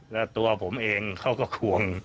และตัวผมเองเขาก็ห่วง